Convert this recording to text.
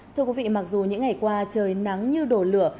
thưa quý vị mặc dù những ngày qua trời nắng như đổ lửa